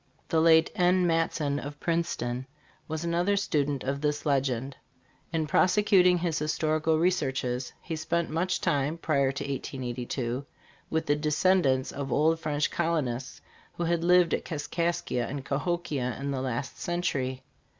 The late N. Matson.f of Princeton, was another student of this legend. In prosecuting his historical researches, he spent much time (prior to 1882) with the descendants of old French colonists who had lived at Kaskaskia and Cahokia in the last century.